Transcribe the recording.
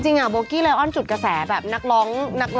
จริงอะโบกี้เลยอ้อนจุดกระแสแบบนักร้อง